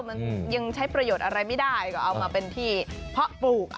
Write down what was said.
มันยังใช้ประโยชน์อะไรไม่ได้ก็เอามาเป็นที่เพาะปลูก